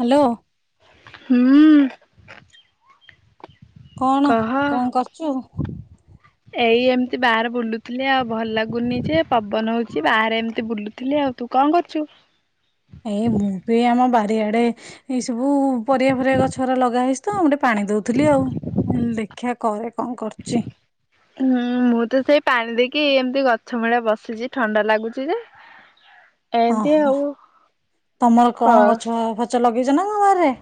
Hello କଣ କହ କଣ କରୁଛୁ? ଏଇ ଏମିତି ବାହାରେ ବୁଲୁ ଥିଲେ ଆଉ ଭଲ ଲାଗୁନି ଯେ ପବନ ହଉଛି ବାହାରେ ଏମିତି ବୁଲୁଥିଲି ଆଉ ତୁ କଣ କରୁଛୁ? ଆଡେ ଏଇ ସବୁ ପରିବା ପରିବା ଗଛ ଲଗା ହେଇ ତ ମୁଁ ଟିକେ ପ ପାଣି ଦଉଥିଲି ଆଉ ମୁଁ ଦେଖା କରେ କଣ କରୁଛି। କି ଏମତି ଗଛ ମୂଳି ବସିଛି ଥଣ୍ଡା ଲାଗୁଛି ଯେ ଅ ଏମିତି ହଁ ଆଉ ତମର ଖ କଣ ଗଛ ଫ ଚ ଲଗେଇଛ ନା କ ବାରି ରେ।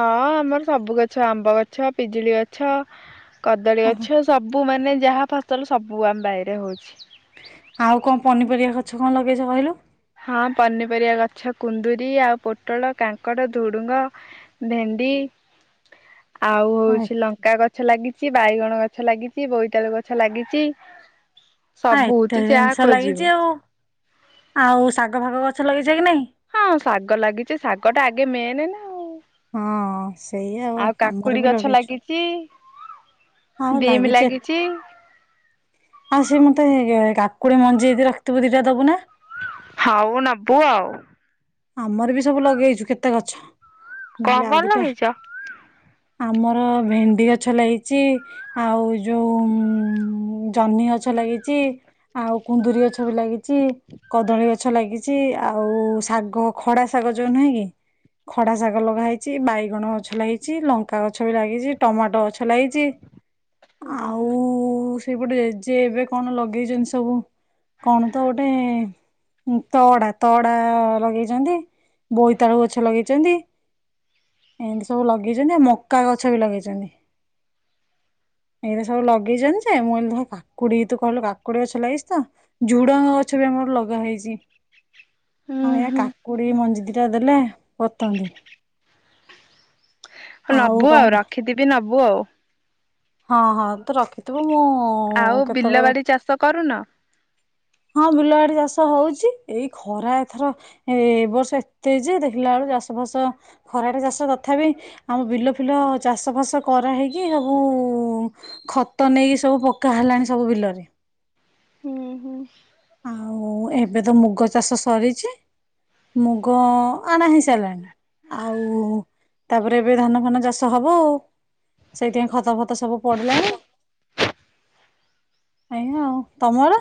ହଁ ଆମର ସବୁ ଗଛ ଆମ୍ବ ଗଛ ପିଜୁଳି ଗଛ କଦଳୀ ଓହୋ ଗଛ ସବୁ ମାନେ ଯାହା ଫସଲ ସବୁ ଆମ ବାାଇରେ ହେଉଛି ଆଉ କଣ ପନିପରିବା ଗଛ କଣ ଲଗେଇଛ କହିଲୁ ହଁ ପନିପରିବା ଗଛ କୁନ୍ଦୁରିୀ ଆଉ ପୋଟଳ କାଙ୍କଡ ୁଡୁଙ୍ଗ ଭେଣ୍ଡି ଆଉ ଆ ହଉଛି ଲଙ୍କା ଗଛ ଲାଗିଛି ବାଇଗଣ ଗଛ ଲାଗିଛି ବୋଇତାଳୁ ଗଛ ଲାଗିଛି ସବୁ ଏତେ ତୁ ଯାହା ଜିନିଷ ଖୋଜିବୁ ଲାଗିଛି ଆଉ ଆଉ ଶାଗ ଫାଗ ଗଛ ଲଗେଇଛା କି ନାଇଁ ହଁ ଶାଗ ଲାଗିଛି ଶାଗ ଟା ଆଗେ ମେନେ ନା ଆଉ ହଁ ସେଇ ଆଉ ଆମର କାକୁଡି ବି ଗଛ ଲଗିଛୁ ଲାଗିଛି ଆଉ ଲାଗିଛି ଏତେ ଆଉ ସେ ମତେ ହେଇ କାକୁଡି ମଞ୍ଜି ଯି ରଖଥିବୁ ଦିଟା ଦବୁ ନା ହଉ ନବୁ ଆଉ ଆମର ବି ସବୁ ଲଗେଇଛୁ କେତେ ଗଛ ମୁଁ କହିଲି କଣ ଆଉ କଣ ଦିଟା ଲଗେଇଛ ଆମର ଭେଣ୍ଡି ଗଛ ଲାଗିଛି ଆଉ ଯୋଉ ଜହ୍ନି ଗଛ ଲାଗିଛି ଆଉ କୁନ୍ଦୁରି ଗଛ ବି ଲାଗିଛି କଦଳୀ ଅ ଗଛ ଲାଗିଛି ଆଉ ସା ଖଡା ଶାଗ ଯୋଉ ନୁହେଁ କି ଖଡା ଶାଗ ଲଗା ହେେଇଛି ବାଇଗଣ ଗଛ ଲାଗେଇଛି ଲଙ୍କା ଗଛ ବି ଲାଗିଛି ଟମାଟୋ ଗଛ ଲାଗିଛି ହୁଁ ହୁଁ ସେପଟେ ଯେ ଏବେ କଣ ଲଗେଇଛନ୍ତି ସବୁ କଣ ତ ଗୋଟେ ତଡା ତଡା ଲଗେଇ ବୋଇତାଳୁ ଗଛ ଲଗେଇଛନ୍ତି ଏମିତି ସବୁ ଲଗେଇଛନ୍ତି ଆଉ ମକା ଗଛ ବି ଲଗେଇଛନ୍ତି ଏମିତି ସବୁ ଲଗେଇଛନ୍ତି ଯେ ମୁଁହିଲି ଦେ କାକୁଡି ତୁ କହିଲୁ କାକୁଡି ଗଛ ଲଗେଇଛି ତ ଝୁଡଙ୍ଗ ଗଛ ବି ଆମର ଲଗା ହେେଇଛି ହୁଁ ହଁୟା କା ହୁଁ ମଞ୍ଜି ଦି ଟା ଦେଲେ ପତନ୍ତି ହ ନବୁ ଆଉ ରଖିଥିବି ନବୁ ହବୁ ଆଉ ହଁ ହଁ ତ ରଖିଥିବ ମୁଁ ଆଉ ବିଲ କେତେବେଳେ ବାଡି ଚାଷ କରୁନ ହଁ ବିଲ ଆଡିେ ଚାଷ ହଉଛି ଏଇ ଖରା ଏଥର ଏ ଏବ ବର୍ଷ ଏତେ ଯେ ଦେଖିଲା ବେଳୁ ଚାଷ ଫାସ ଖରାଡେ ଚାଷ ତଥାପି ଆମ ବିଲ ଫିଲ ଚାଷ ଫାସ କରା ହେେଇକି ସବୁ ଖତ ନେଇକି ସବୁ ପକା ହେଲାଣି ସବୁ ବିଲରେ ହୁଁ ହୁଁ ଆଉ ଏବେ ତ ମୁଗ ଚାଷ ସରିଛି ମୁଗ ଆଣା ହେଇ ସାରିଲାଣି ଆଉ ତାପରେ ଏବେ ଧାନ ଫାନ ଚାଷ ହବ ଆଉ ସେଇଥିପାଇଁ ଖତା ଫତ ସବୁ ପଡ଼ିଲାଣି ଆଜ୍ଞା ଆଉ ତମର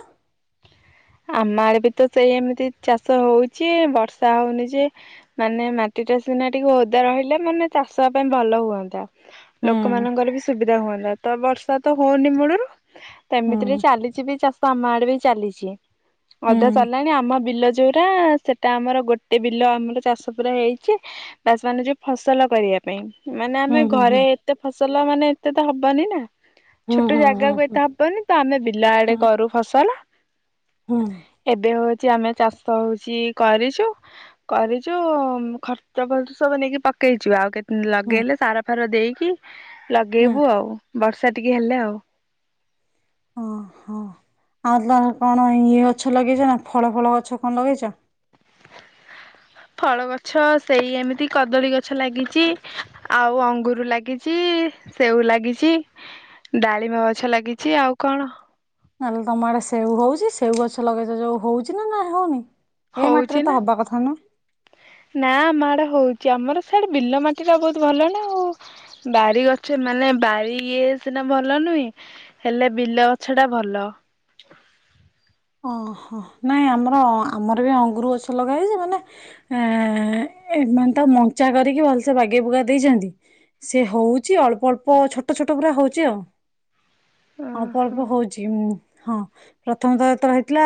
ଆମ ଆଡେ ବି ତ ସେଇ ଏମିତି ଚାଷ ହଉଛି ବର୍ଷା ହଉନି ଯେ ମାନେ ମାଟିଟା ସିନା ଟିକେ ଓଦା ରହିଲେ ମାନେ ଚାଷ ପାଇଁ ଭଲ ହୁଅନ୍ତା ହୁଁ ଲୋକମାନାନଙ୍କର ବି ସୁବିଧା ହୁଅନ୍ତା ତ ବର୍ଷା ତ ହଉନି ମୂଳରୁ ସେମିତିରେ ହୁଁ ଚାଲିଛିିବ ଚାଷ ଆମ ଆଡ ବି ଚାଲିଛି ଅଧା ହୁଁ ସରିଲାଣି ଆମ ବିଲ ଯୋଉଟା ସେଟା ଆମର ଗୋଟେ ବିଲ ଆମର ଚାଷ ପୁରା ହେଇଛି ବା ସେମାନୋନେ ଯୋଉ ଫସଲ କରିବା ପାଇଁ ମାନେ ଆମେ ହୁଁ ହୁଁ ଘରେ ଏତେ ଫସଲ ମାନେ ଏତେ ତ ହବ ବନନା ହୁଁ ଛୋଟ ହୁଁ ହୁଁ ଜାଗାକୁ ହୁଁ ଏତେ ହବନି ତ ଆମେ ବିଲ ହୁଁ ଆଡେ ହୁଁ କରୁ ଫସଲ ହୁଁ ଯୋଉ ହଉଛି ଆମେ ଚାଷ ହଉଛି କରିଛୁ କରିଛୁ ଖତ ଫତ ସବୁ ନେଇକି ପକେଇଛୁ ଆଉ କେତେ ହୁଁ ଲଗେଇଲେ ସାର ଫାର ଦେଇ କି ହୁଁ ଲଗେଇବୁ ଆଉ ବର୍ଷା ଟିକେ ହେଲେ ଆଉ ଓ ହୋ ଆଉ ତମେ କଣ ଇଏ ଗଛ ଲଗେଇଛ ନା ଫଳ ଫଳ ଗଛ କଣ ଲଗେଇଛ ଫଳ ଗଛ ସେଇ ଏମିତି କଦଳୀ ଗଛ ଲାଗିଛି ଆଉ ଅଙ୍ଗୁର ଲାଗିଛି ସେଉ ଲାଗିଛି ଡାଳିମ ଗଛ ଲାଗିଛି ଆଉ କଣ ନଏଲେ ତମ ଆଡେ ସେଉ ହଉଛି ସେଉ ଗଛ ଲଗେଇଚ ଯୋଉ ହଉଛି ନା ନାଇ ହଉନି ଏଇ ମାଟିରେ ହଉଛି ତ ନା ହବା କଥା ନା। ନା ଆମ ଆଡେ ହଉଛି ଚି ଆମର ସିଆଡେ ବିଲ ମାଟି ଟା ବହୁତ ଭଲ ନା ଆଉ ବାରିଗଛ ମାନେ ବାରି ଇଏ ସିନା ଭଲ ନୁହେଁ ହେଲେ ବିଲ ଗଛ ଟା ଭଲ ଓହୋ ନାଇଁ ଆମର ଆମର ବି ଅଙ୍ଗୁର ଗଛ ଲଗା ହେଇଛି ମାନେ ଏଁ ଏମାନେ ତାକୁ ମଞ୍ଚା କରିକି ଭଲସେ ବାଗେଇ ବୁଗା ଦେଇଛନ୍ତି ସେ ହଉଛି ଅଳ୍ପ ଅଳ୍ପ ଛୋଟ ଛୋଟ ପୁରା ହଉଛି ଆଉ ଅଳ୍ପ ଓହୋ ଅଳ୍ପ ହଉଚି ଉଁ ହଁ ପ୍ରଥମତ ଳେ ହେଇଥିଲା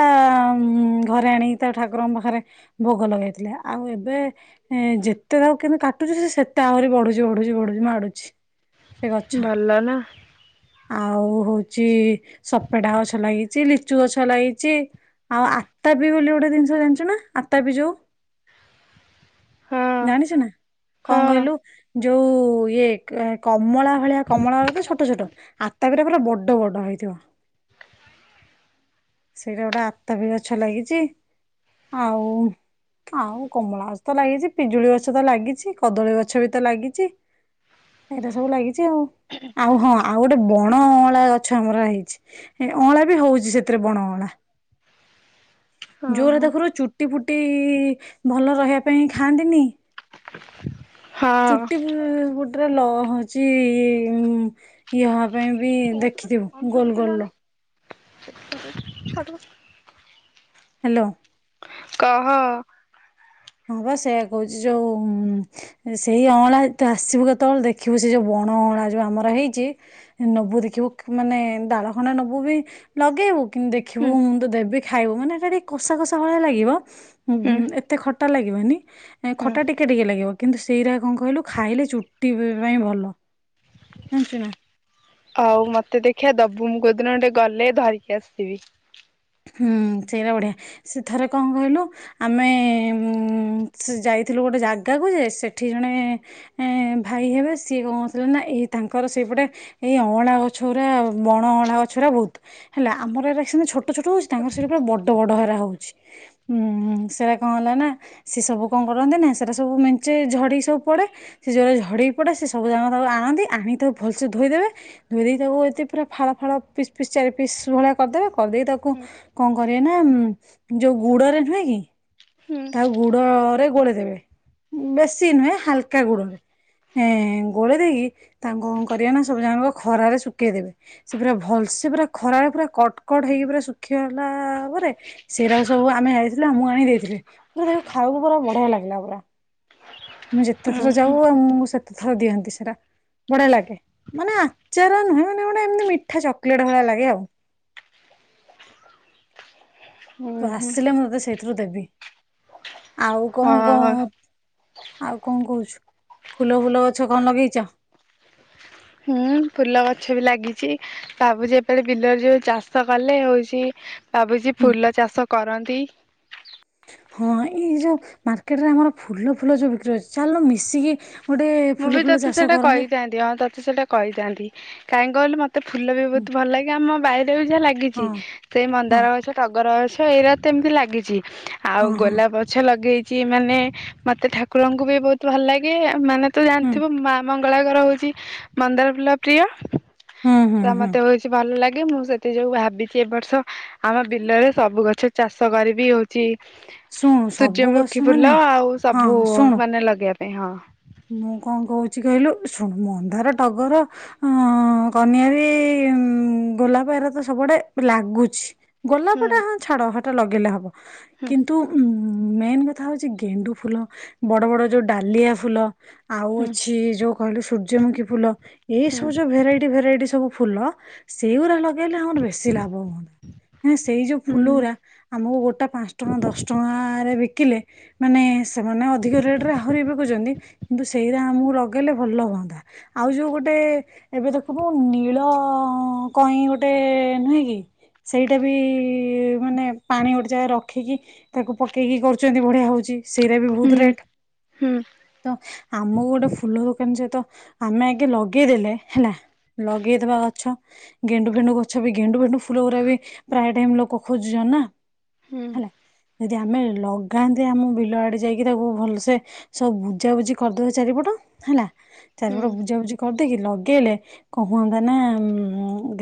ଉ ଘରେ ଆଣିକି ତାକୁ ଠାକୁରଙ୍କ ପାଖରେ ଭୋଗ ଲଗେଇଥିଲେ ଆଉ ଏବେ ଯେତେ ତାକୁ କିନ୍ତୁ କାଟୁଛୁ ସେତେ ଆହୁରି ବଢୁଛି ବଢୁଛି ବଢୁଛି ମାଡୁଛି ସେ ଗଛ ଭଲଲ ନା ଆଉ ହଉଛି ସପେଟା ଗଛ ଲାଗିଛି ଲିଚୁ ଗଛ ଛ ଲାଗିଛି ଆଉ ଆତାପି ବୋଲି ଗୋଟେ ଜିନିଷ ଜାଣିଛୁ ନା ଆତାପି ଯୋଉ ହଁ ଜାଣିଛୁ ନା ହଁ କଣ କହିଲୁ ଯୋଉ ଇଏ କମଳା ଭଳିଆ କମଳା ତ ଛୋଟ ଛୋଟ ଆତାପି ଟା ପୁରା ବଡ ବଡ ହେଇଥିବ ସେଇଟା ଗୋଟେ ଆତାପି ଗଛ ଲାଗିଛି ଆଉ ଆଉ କମଳା ଗଛ ତ ଲାଗିଛି ପିଜୁଳି ଗଛ ତ ଲାଗିଛି କଦଳୀ ଗଛ ବି ତ ଲାଗିଛି ଏଇଟା ସବୁ ଲାଗିଛି ଚି ଆଉ ଆଉ ହଁ ଆଉ ଗୋଟେ ବଣ ଅଁଳା ଗଛ ଆମର ହେଇଛି ଅଁଳା ବି ହଉଛି ସେ ଥିରେ ବଣ ଅଁଳା ଜୋରେ ଓହୋ ତାଖରୁ ଚୁ ଟି ଫୁଟି ଭଲ ରହିବା ପାଇଁ ଖାଆନ୍ତିନି ହଁ ଚୁଟି ଫୁ ଗୋ ଟ ରେ ଲ ହଉଚି ୟ ହ [unintelligible] ପାଇଁ ବି ଦେଖିଥିବୁ ଗୋଲ ଗୋଲ ସେ ଛର [unintelligible] ହାଲୋ କହ ହଁ ବା ସେଇଆ କହୁଛି ଯୋଉ ସେଇ ଅଁଳା ତୁ ଆସିବୁ କେତେବେଳେ ଦେଖିବୁ ସେ ଯୋଉ ବଣ ଅଁଳା ଯୋଉ ଆମର ହେଇଛି ନବୁ ଦେଖିବୁ ମାନେ ଡାଳ ଖଣ୍ଡେ ନବୁ ବି ଲଗେଇବୁ କିନ୍ତ ହୁଁ ଦେଖିବୁ ମୁଁ ତ ଦେବି ଖାଇବୁ ମାନେ ଏଟା ଟିକେ କଷା କଷା ଭଳିଆ ଲାଗିବ ହୁଁ ହୁଁ ବୁ ଏତେ ଖଟ ଲାଗିବନି ନାଇ ହୁଁ ଖଟା ଟିକେ ଟିକେ ଲାଗିବ। କିନ୍ତୁ ସେଇରା କଣ କହିଲୁ ଖାଇଲେ ଚୁ ଜାଣିଛୁ ନା ଆଉ ମତେ ଦେଖିବା ଦବୁ ମୁ କୋଉଦିନ ଗଟେ ଗଲେ ଧରିକି ଆସିବି ହୁଁ ସେଇଟା ବଢିଆ ସେ ଥରେ କଣ କହିଲୁ, ଆମେ ଉ ସେ ଯାଇଥିଲୁ ଗୋଟେ ଜାଗାକୁ ଯେ ସେଠି ଜଣେ ଭାଇ ହେବେ ସିଏ କଣ କରୁଥିଲେ ନା ଏଇ ତାଙ୍କର ସେଇପଟେ ଏଇ ଅଁଳା ଗଛଉୁରା ବଣ ଅଁଳା ଗଛୁରା ବହୁତ ହେଲା ଆମର ଏଇଟା ସେ ଛୋଟ ଛୋଟଛୋଟ ହଉଛି ତାଙ୍କର ସଇଟି ପୁରା ବଡ଼ ହରା ହେଉ ହଉଛି, ସେଟା କଣ ହେଲା ନା ସି ସବୁ କଣ କରନ୍ତି ନା ସେଟା ସବୁ ମଞ୍ଚେ ଝଡିକି ସବୁ ପଡେ ସେ ଜୋ ଝଡିକି ପଡେ ସେ ସବୁ ଜା ତାକୁ ଆଣନ୍ତି ଆଣି ତାକୁ ଭଲସେ ଧୋଇଦେବେ ଧୋଇ ଦେଇେଇ ତାକୁ ଏତେ ପୁରା ଫାଳ ଫାଳ ପିସ୍ ପିସ୍ ଚାରି ପିସ୍ ଭଳିଆ କରିଦେବେ କରିଦେଇ ତାକୁ ହୁଁ କଣ କରିବା ନା ଯୋଉ ଗୁଡରେ ନୁହେଁ କି ହୁଁ ତାକୁ ଗୁଡରେ ଗୋଳେଇଦବେ ବେଶୀ ନୁହେଁ ହାଲକା ଗୁଡରେ ଗୋଳେଇ ଦେଇକି ତାଙ୍କୁ କଣ କରିବା ନା ସବୁ ଜଣକ ଖରାରେ ଶୁଖେଇଦେବେ, ସେ ପୁରା ଭଲ ସେ ପୁରା ଖରାରେ ପୁରା କଟକଟ ହେଇକି ପୁରା ଶୁଖି ହେଲା ପରେ ସେଇଟା ସବୁ ଆମେ ହେଇଥିଲୁ ମୁଁ ଆଣି ଦେଇେଇଥିଲି ପୁର ତାକୁ ଖାଇବାକୁ ପୁରା ବଢିଆ ଲାଗିଲା ପୁରା, ମୁଁ ଯେତେ ହୁଁ ଥର ଯାଉ ଆମକୁ ସେତେ ଥର ଦିଅନ୍ତି ସେଟା ବଢିଆ ଲାଗେ ମାନେ ଆଚାର ନୁହେଁ ମାନେ ଗୋଟେ ଏମତି ମିଠା ଚକୋଲେଟ ଭଳିଆ ଲାଗେ ଆଉ। ତୁ ହୁଁ ହୁଁ ଆସିଲେ ମୁଁ ତତେ ସେଇଥିରୁ ଦେବି ଆଉ କଣ କହ? ହଁ ଆଉ କଣ କହୁଛୁ ଫୁଲ ଫୁଲ ଗଛ କଣ ଲଗେଇଛ? ହୁଁ ଫୁଲ ଗଛ ବି ଲାଗିଛି ଭାବୁଛି ଯେତବେଳେ ବିଲରେ ଯେଉଁ ଚାଷ କଲେ ହଉଛି। ଭାବୁଛି ଫୁଲ ଚାଷ କରନ୍ତି। ହଁ ଏଇ ଯେଉଁ ମାର୍କେଟରେ ଆମର ଫୁଲ ଫୁଲ ଯେଉଁ ବିକ୍ରି ଅଛି ଚାଲ ମିଶିକି ଗୋଟେ ମୁଁ ଫୁଲ ବି ଫୁଲ ତୋତେ ଚାଷ ସେଇଟା କରନ୍ତେ କହିଥାନ୍ତି ହଁ ତୋତେ ସେଟା କହିଥାନ୍ତି। କରନ୍ତି କାଇଁ କହିଲୁ ଏତେ ଫୁଲ ବି ହୁଁ, ବହୁତ ଭଲ ଲାଗେ ଆମ ବାଇରେ ବି ଯାହା ଲାଗିଛି ହଁ ସେଇ ହଁ ମନ୍ଦାର ଗଛ, ଟଗର ଗଛ ଏଇରା ତ ଏମିତି ଲାଗିଛି। ଆଉ ହଁ ହଁ ଗୋଲାପ ଗଛ ଲଗେଇ ଯେ ମାନେ ମତେ ଠାକୁରଙ୍କୁ ବି ବହୁତ ଭଲ ଲାଗେ ମାନେ ତୁ ହୁଁ ଜାଣିଥିବୁ ମାମାଙ୍କ କଳାକାର ହଉଛି ମନ୍ଦାର ଫୁଲ ପ୍ରିୟ ହୁଁ ହୁଁ ତ ହୁଁ ମତେ ହଉଛି ଭଲ ଲାଗେ ଲାଗେ, ମୁଁ ସେଥି ଯୋଗୁ ଭାବିଛି ଏ ବର୍ଷ ଆମ ବିଲରେ ସବୁ ଗଛ ଚାଷ କରିବି ହଉଛି ଶୁଣୁ ସବୁ ଗଛ ସୂର୍ଯ୍ୟମୁଖୀ ଫୁଲ ମାନେ ଆଉ ହଁ ସବୁ ଶୁଣୁ ମାନେ ଲଗେଇବାକୁ ଆ ହଁ ମୁଁ କଣ କହୁଛି କହିଲୁ ଶୁଣୁ ମନ୍ଦାର, ଟଗର, କନିଆରୀ ଗୋଲାପ ଏାର ତ ସବୁଆଡେ ଲାଗୁଛି ଗୋଲାପଟା ହୁଁ ହଁ ଛାଡ଼ ହଟ ଲଗେଇଲେ ହେବ ହୁଁ କିନ୍ତୁ ଉଁ ମେନ୍ କଥା ହଉଛି ଗେଣ୍ଡୁ ଫୁଲ ବଡ ବଡ ଯୋଉ ଡାଲିଆ ଫୁଲ ଆଉ ହୁଁ ଅଛି ଯୋଉ କହିଲୁ ସୂର୍ଯ୍ୟମୁଖୀ ଫୁଲ ଏଇ ସବୁ ହୁଁ। ଯୋଉ ଭେରାଇଟି ଭେରାଇଟି ସବୁ ଫୁଲ ସେଗୁରା ଲଗା ହେଲେ ଆମର ବେଶୀ ଲାଭ ହୁଅନ୍ତା ସେଇ ଯୋଉ ଫୁଲ ଗୁଡା ଆମକୁ ଗୋଟେ ପାଞ୍ଚ ଟଙ୍କା ଦଶ ଟଙ୍କାରେ ବିକ ବିକିଲେ ମାନେ ସେମାନେ ଅଧିକ ରେଟ ରେ ଆହୁରି ବିକୁଉଛନ୍ତି। କିନ୍ତୁ ସେଇରା ଆମକୁ ଲଗେଇଲେ ଭଲ ହୁଅନ୍ତା ଆଉ ଯୋଉ ଗୋଟେ ଏବେ ଦେଖିବୁ ନୀଳ କଇଁ ଗୋଟେ ନୁହେଁ କି ସେଇଟା ବି ଇ ମାନେ ପାଣି ଗୋଟେ ଯାଗରେ ରଖିକି ତାକୁ ପକେଇକି କରୁଛନ୍ତି ବଢିଆ ହଉଛି। ସିଇରା ବି ବହୁତ ରେଟ ହୁଁ-ହୁଁ-ହୁଁ-ହୁଁ-ହୁଁ-ହୁଁ ତ ଆମକୁ ଗୋଟେ ଫୁଲ ଦୋକାନ ସହିତ ଆମେ ଆଗେ ଲଗେଇଦେଲେ ହେଲା ଲଗେଇଦବା ଗଛ ଗେଣ୍ଡୁ ଫେଣ୍ଡୁ ଗଛ ବି ଗେଣ୍ଡୁ ଫେଣ୍ଡୁ ଫୁଲଗୁରା ବି ପ୍ରାଏ ଟାଇମ ଲୋକ ଖୋଜୁଛନ୍ତି ନା ହୁଁ ହେଲା ଯଦି ଆମେ ଲଗାନ୍ତିେ ଆମ ବିଲ ଆଡେ ଯାଇକି ତାକୁ ଭଲସେ ସବୁ ବୁଜାବୁଜି କରିଦେବ ଚାରିପଟ ହେଲା। ଚାରିପଟ ବୁଜାବୁଜି କରଦେଇକି? କି ଲଗେଇଲେ କଣ କୁହନ୍ତା ନା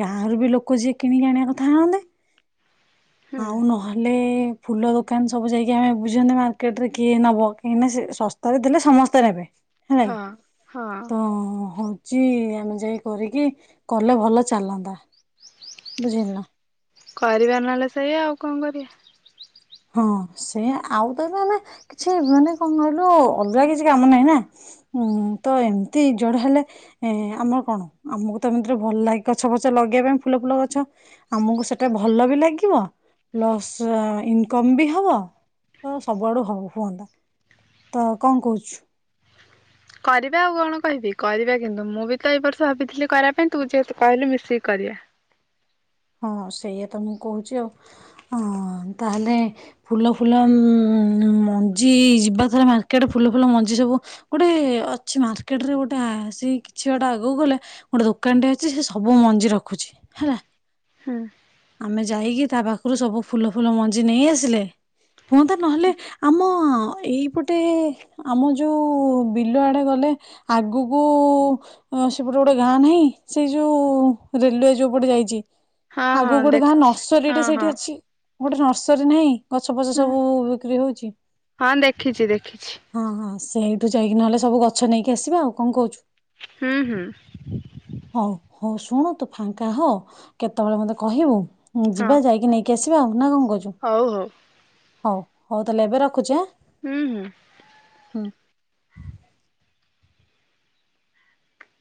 ଗାଁରୁ ବି ଲୋକ ଯିଏ କିଣିକି ଆଣିବା କଥା ଆଣନ୍ତେ ଆଉ ନହେଲେ ଫୁଲ ଦୋକାନ ସବୁ ଯାଇକି ଆମେ ବୁଝନ୍ତେ ମାର୍କେଟରେ କିଏ ନବ କାହିଁକିନା ସେ ଶସ୍ତାରେ ଦେଲେ ସମସ୍ତେ ନେବେ ହେଲାକି ହଁ। ହଁ ତ ହଉ। ହଉଛି ଆମେ ଯାଇ କରିକି କଲେ ଭଲ ଚାଲନ୍ତା। ବୁଝିଲୁ ନା କରିବା ନହେଲେ ସେ ସେଇା ଆଉ କଣ କରିବା? ହଁ ସେ ଆଉ ତ ଏବେ ଆମେ କିଛି ମାନେ କଣ କହିଲୁ ଅଲଗା କିଛି କାମ ନାହିଁ ନା ଉଁ ତ ଏମିତି ଯୁଆଡୁ ହେଲେ ଏ ଆମର କଣ ଆମକୁ ତ ଏମିତିରେ ଭଲ ଲାଗ ଗଛ ଫଛ ଲଗେଇବା ପାଇଁ ଫୁଲ ଫୁଲ ଗଛ ଆମକୁ ସେଟା ଭଲ ବି ଲାଗିବ ପ୍ଲସ୍ ଇନ କମ୍ ବି ହବ ତ ସବୁଆଡୁ ହବ ହୁଅନ୍ତା ତ କଣ କହୁଛୁ। କରିବା ଆଉ କଣ କହିବି କରିବା କିନ୍ତୁ ମୁଁ ବି ତ ଏ ବର୍ଷ ଭାବିଥିଲି କରିବା ପାଇଁ ତୁ ଯେହେତୁ କହିଲୁ ମିଶିକି କରିବା। ହଁ ସେଇଆା ତ ମୁଁ କହୁଛି ଆଉ ହଁ ତାହେଲେ ଫୁଲ ଫୁଲ ମଞ୍ଜି ଯିବା ଥରେ ମାର୍କେଟରେ ଫୁଲ ଫୁଲ ମଞ୍ଜି ସବୁ ଗୋଟେ ଅଛି ମାର୍କେଟରେ ଗୋଟେ ସେ କିଛି ଗୋଟେ ଆଗକୁ ଗଲେ ଗୋଟେ ଦୋକାନଟେ ଅଛି ସେ ସବୁ ମଞ୍ଜି ରଖୁଛି ହେଲା। ହଁ ଆମେ ଯାଇକି ତା ପାଖରୁ ସବୁ ଫୁଲ ଫୁଲ ମଞ୍ଜି ନେଇ ଆସିଲେ ହୁଅନ୍ତା ନହେଲେ ଆମ ଏଇପଟେ ଆମ ଯୋଉ ବିଲ ଆଡେ ଗଲେ ଆଗକୁ ସେପଟେ ଗୋଟେ ଗାଁ ନାହିଁ ସେଇ ଯୋଉ ରେଲୱ ଯୋଉ ପଟେ ଯାଇଛି ହଁ ଆଗକୁ ହଁ ଗୋଟେ ଗାଁ ଦେଖିଛି ନର୍ସରୀ ଟା ହଁ ସେଇଠି ହଁ। ଅଛି। ଗୋଟେ ନର୍ସରୀ ନାହିଁ। ଗଛ ଫଛ ସବୁ ବିକ୍ରି ହଉଛି ହଁ ଦେଖିଛି ଦେଖିଛି ହଁ ହଁ ସେଇଠୁ ଯାଇକି ନହେଲେ ସବୁ ଗଛ ନେଇକି ଆସିବା ଆଉ କଣ କହୁଛୁ? ହୁଁ ହୁଁ ହଁ ଶୁଣ ତୁ ଫାଙ୍କା ହଁ କେତେବେଳେ ମୋତେ କହିବୁ? ହଁ ଯିବା ଯାଇକି ନେଇକି ଆସି ଯିବା ନା କଣ [unintelligible] ହଉ ହଉ ହଉ ହଉ ତାହଲେ ଏବେ ରଖୁଛି ଆଁ- ହୁଁ ହୁଁ ହ